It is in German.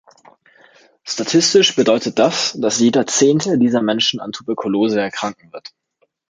Statistisch bedeutet das, dass jeder Zehnte dieser Menschen an Tuberkulose erkranken wird.